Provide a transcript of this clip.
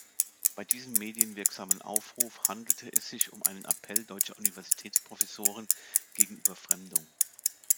Bei diesem medienwirksamen Aufruf handelte es sich um einen Appell deutscher Universitätsprofessoren gegen „Überfremdung“.